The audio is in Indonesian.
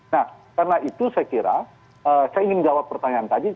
nah karena itu saya kira saya ingin jawab pertanyaan tadi